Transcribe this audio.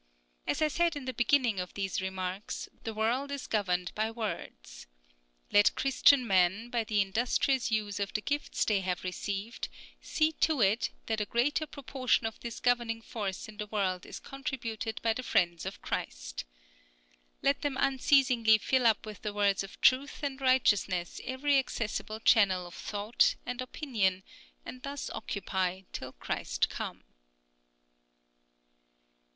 As I said in the beginning of these remarks, the world is governed by words. Let Christian men, by the industrious use of the gifts they have received, see to it that a greater proportion of this governing force in the world is contributed by the friends of Christ. Let them unceasingly fill up with the words of truth and righteousness every accessible channel of thought and opinion, and thus occupy till Christ come.